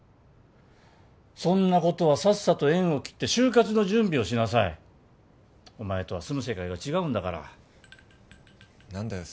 そんな子とはさっさと縁を切って就活の準備をしなさいお前とは住む世界が違うんだから何だよ